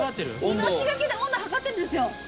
命がけで温度測ってるんですよ。